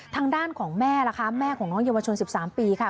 ทางด้านของแม่ล่ะคะแม่ของน้องเยาวชน๑๓ปีค่ะ